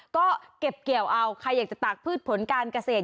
ก็เก็บเกี่ยวเอาใครอยากจะตากพืชผลการเกษตร